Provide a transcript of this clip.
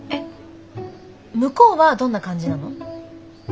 向こうはどんな感じなの？